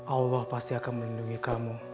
allah pasti akan melindungi kamu